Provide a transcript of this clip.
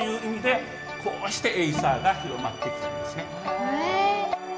へえ。